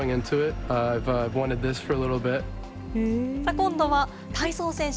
今度は体操選手。